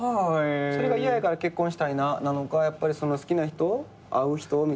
それが嫌やから結婚したいななのかやっぱり好きな人合う人。